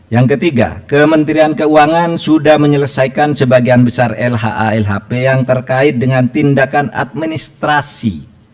yang ketiga kementerian keuangan sudah menyelesaikan sebagian besar lha lhp yang terkait dengan tindakan administrasi